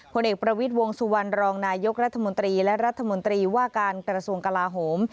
ผลเอกประวิทย์วงสุวรรณรองนายกรัฐมนตรีและรัฐมนตรีว่าการกระทรวงกลาโหม